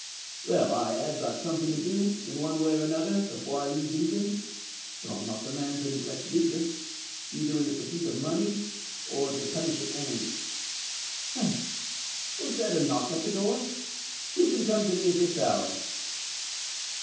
Well—I have got something to do, in one way or another, before I leave England; but I'm not the man to neglect business—either in the pursuit of money or to punish an enemy. Ha! that was a knock at the door! who can come to me at this hour?"